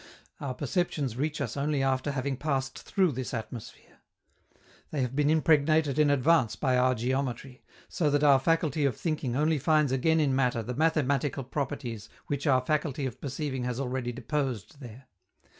Our perceptions reach us only after having passed through this atmosphere. They have been impregnated in advance by our geometry, so that our faculty of thinking only finds again in matter the mathematical properties which our faculty of perceiving has already deposed there.